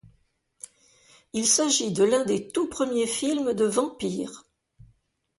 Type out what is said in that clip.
Il s'agit de l'un des tout premiers films de vampires.